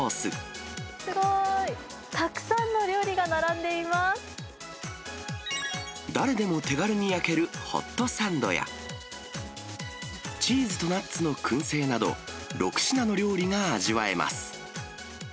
たくさんの料理が並誰でも手軽に焼けるホットサンドや、チーズとナッツのくん製など、６品の料理が味わえます。